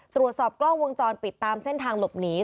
ตรวจสอบกล้องวงจรปิดตามเส้นทางหลบหนี